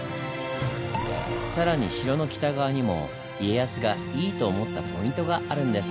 更に城の北側にも家康がイイと思ったポイントがあるんです。